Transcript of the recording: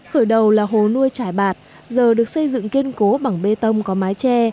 khởi đầu là hồ nuôi trải bạc giờ được xây dựng kiên cố bằng bê tông có mái tre